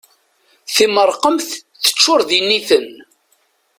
Timerqemt teččur d initen.